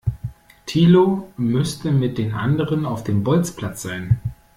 Thilo müsste mit den anderen auf dem Bolzplatz sein.